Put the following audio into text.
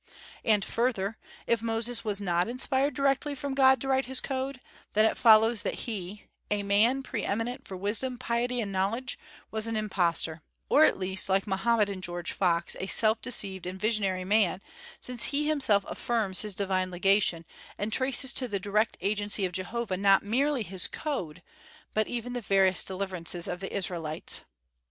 And, further, if Moses was not inspired directly from God to write his code, then it follows that he a man pre eminent for wisdom, piety, and knowledge was an impostor, or at least, like Mohammed and George Fox, a self deceived and visionary man, since he himself affirms his divine legation, and traces to the direct agency of Jehovah not merely his code, but even the various deliverances of the Israelites.